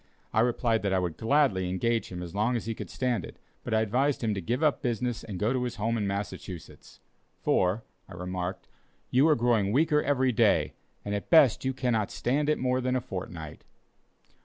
I replied that I would gladly engage him as long as he could stand it, but I advised him to give up business and go to his home in Massachusetts; "for," I remarked, "you are growing weaker every day, and at best cannot stand it more than a fortnight."